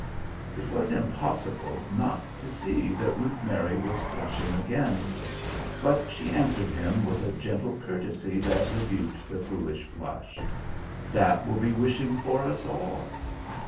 It was impossible not to see that Ruth Mary was blushing again. But she answered him with a gentle courtesy that rebuked the foolish blush: "That will be wishing for us all."